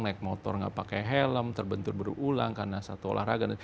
naik motor nggak pakai helm terbentur berulang karena satu olahraga